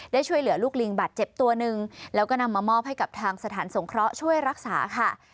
ช่วยเหลือลูกลิงบาดเจ็บตัวหนึ่งแล้วก็นำมามอบให้กับทางสถานสงเคราะห์ช่วยรักษาค่ะ